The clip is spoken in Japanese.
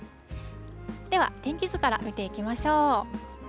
では、天気図から見ていきましょう。